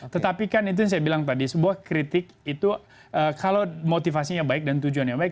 tetapi kan itu yang saya bilang tadi sebuah kritik itu kalau motivasinya baik dan tujuan yang baik